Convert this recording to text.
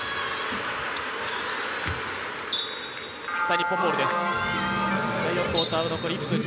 日本ボールです。